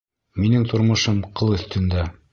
Минең тормошом ҡыл өҫтөндә.